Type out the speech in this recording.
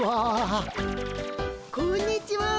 こんにちは。